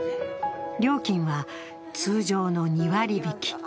料金は通常の２割引。